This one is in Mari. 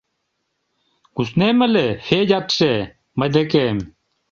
— Куснем ыле, Федятше, мый декем.